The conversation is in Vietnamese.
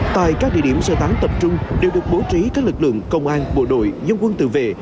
tại các địa điểm sơ tán tập trung đều được bố trí các lực lượng công an bộ đội dân quân tự vệ